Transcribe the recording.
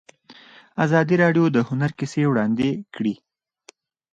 ازادي راډیو د هنر کیسې وړاندې کړي.